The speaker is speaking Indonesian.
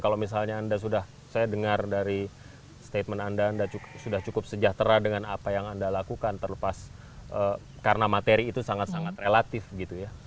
kalau misalnya anda sudah saya dengar dari statement anda anda sudah cukup sejahtera dengan apa yang anda lakukan terlepas karena materi itu sangat sangat relatif gitu ya